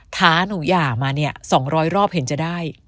ท้าหนูหย่ามาเนี่ย๒๐๐รอบเห็นจะได้